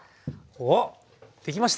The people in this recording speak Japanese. おっできました！